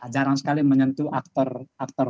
jarang sekali menyentuh aktor aktor